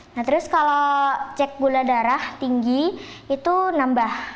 nah terus kalau cek gula darah tinggi itu nambah